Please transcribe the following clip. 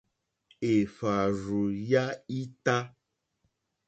Èhvàrzù ya ita.